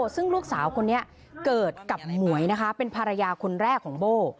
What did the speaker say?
ซึ่งลูกสาวคนนี้เกิดกับหมวยนะคะเป็นภรรยาคนแรกของโบ้